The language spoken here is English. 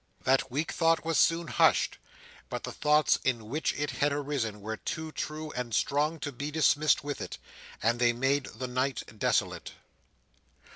That weak thought was soon hushed, but the thoughts in which it had arisen were too true and strong to be dismissed with it; and they made the night desolate.